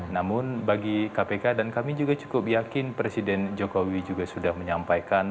namun bagi kpk dan kami juga cukup yakin presiden jokowi juga sudah menyampaikan